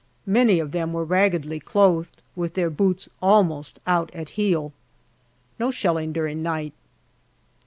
Many of them were raggedly clothed, with their boots almost out at heel. No shelling during night.